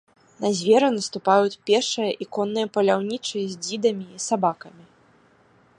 На звера наступаюць пешыя і конныя паляўнічыя з дзідамі і сабакамі.